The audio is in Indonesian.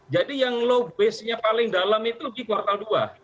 jadi yang low base nya paling dalam itu di kuartal dua